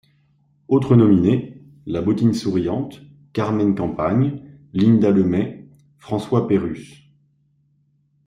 Autres nominés: la Bottine Souriante, Carmen Campagne, Lynda Lemay, François Pérusse.